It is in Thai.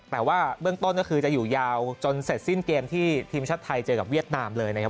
แต่ว่าเบื้องต้นก็คือจะอยู่ยาวจนเสร็จสิ้นเกมที่ทีมชาติไทยเจอกับเวียดนามเลยนะครับ